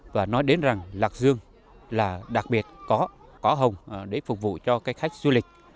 và nói đến rằng lạc dương là đặc biệt cỏ hồng để phục vụ cho các khách du lịch